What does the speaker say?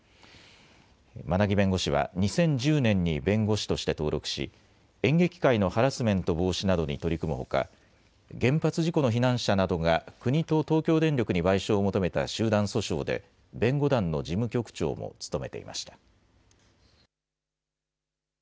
馬奈木弁護士は、２０１０年に弁護士として登録し、演劇界のハラスメント防止などに取り組むほか、原発事故の避難者などが国と東京電力に賠償を求めた集団訴訟で、弁護団の事務局長も務めていました。